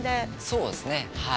そうですねはい。